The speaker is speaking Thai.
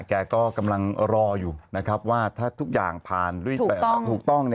แกก็กำลังรออยู่นะครับว่าถ้าทุกอย่างผ่านด้วยถูกต้อง